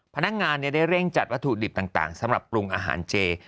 พนักงานได้เร่งจัดวัตถุดิบต่างสำหรับปรุงอาหารเจ